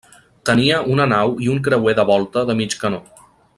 Tenia una nau i un creuer de volta de mig canó.